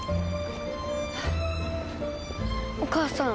お母さん。